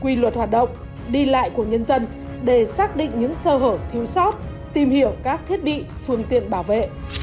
quy luật hoạt động đi lại của nhân dân để xác định những sơ hở thiếu sót tìm hiểu các thiết bị phương tiện bảo vệ